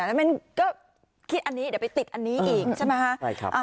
แล้วมันก็คิดอันนี้เดี๋ยวไปติดอันนี้อีกใช่ไหมคะ